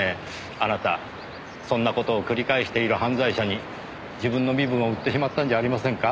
あなたそんな事を繰り返している犯罪者に自分の身分を売ってしまったんじゃありませんか？